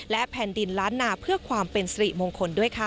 และแผ่นดินล้านนาเพื่อความเป็นสิริมงคลด้วยค่ะ